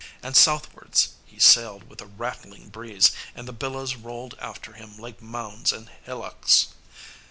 And southwards he sailed with a rattling breeze, and the billows rolled after him like mounds and hillocks.